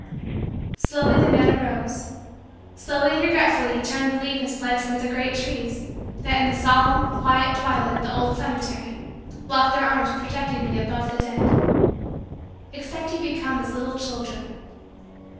Slowly the man arose. Slowly and regretfully he turned to leave his place under the great trees that, in the solemn, quiet, twilight of the old cemetery, locked their arms protectingly above the dead. "Except ye become as little children."